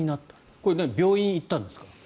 これは病院に行ったんですか？